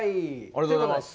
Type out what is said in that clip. ありがとうございます。